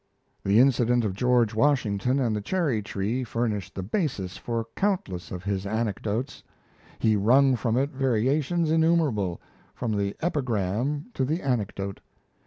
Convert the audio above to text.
The incident of George Washington and the cherry tree furnished the basis for countless of his anecdotes; he wrung from it variations innumerable, from the epigram to the anecdote.